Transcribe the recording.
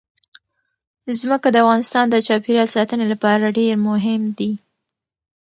ځمکه د افغانستان د چاپیریال ساتنې لپاره ډېر مهم دي.